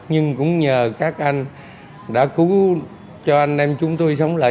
nhưng cũng nhờ các anh đã cứu cho anh em chúng tôi sống lại